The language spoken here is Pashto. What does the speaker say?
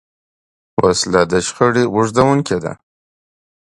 وسله د شخړې اوږدوونکې ده